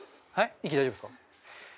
息大丈夫ですか？